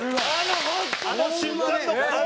あの瞬間の攻防。